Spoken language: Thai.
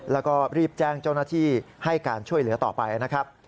แล้วก็รีบแจ้งเจ้าหน้าที่ให้การช่วยเหลือต่อไปนะครับ